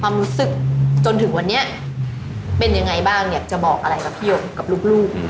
ความรู้สึกจนถึงวันนี้เป็นยังไงบ้างอยากจะบอกอะไรกับพี่หยกกับลูก